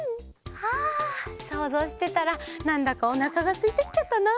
はあそうぞうしてたらなんだかおなかがすいてきちゃったな。